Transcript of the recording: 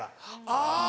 あぁ。